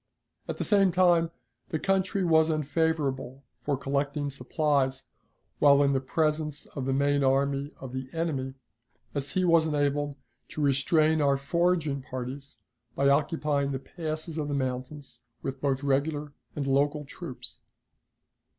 At the same time the country was unfavorable for collecting supplies while in the presence of the main army of the enemy, as he was enabled to restrain our foraging parties by occupying the passes of the mountains with both regular and local troops.